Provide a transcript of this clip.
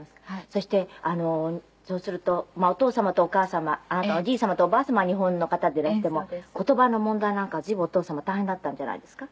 そしてそうするとお父様とお母様あなたおじい様とおばあ様は日本の方でいらしても言葉の問題なんかは随分お父様大変だったんじゃないですか？